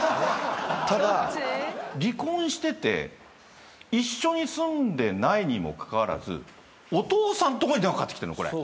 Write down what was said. ただ離婚してて一緒に住んでないにもかかわらずお父さんのとこに電話かかってきてんの。